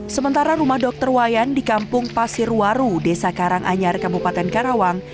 sementara rumah dokter wayan di kampung pasirwaru desa karanganyar kabupaten karawang